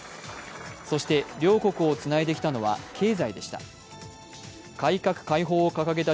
そして、両国をつないできたのは経済でした。